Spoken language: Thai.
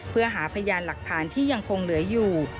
เพื่อหาพยานหลักฐานที่ยังคงเหลืออยู่